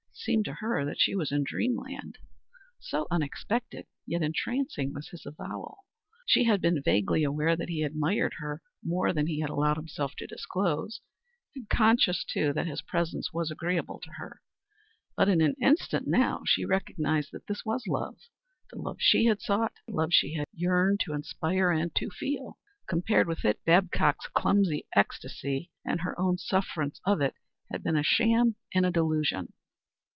It seemed to her that she was in dream land, so unexpected, yet entrancing, was his avowal. She had been vaguely aware that he admired her more than he had allowed himself to disclose, and conscious, too, that his presence was agreeable to her; but in an instant now she recognized that this was love the love she had sought, the love she had yearned to inspire and to feel. Compared with it, Babcock's clumsy ecstasy and her own sufferance of it had been a sham and a delusion.